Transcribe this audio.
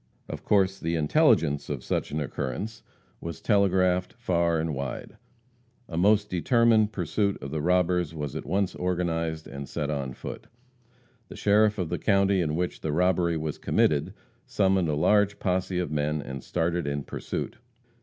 Of course the intelligence of such an occurrence was telegraphed far and wide. A most determined pursuit of the robbers was at once organized and set on foot. The sheriff of the county in which the robbery was committed summoned a large posse of men and started in pursuit.